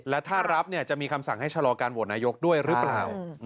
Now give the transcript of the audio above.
และถ้ารับจะมีคำสั่งให้ชะลอการโหวตนายกด้วยหรือเปล่า